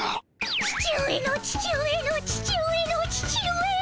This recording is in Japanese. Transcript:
父上の父上の父上の父上。